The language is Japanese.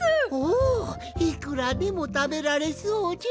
おいくらでもたべられそうじゃ。